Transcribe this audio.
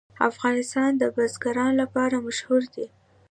افغانستان د بزګان لپاره مشهور دی.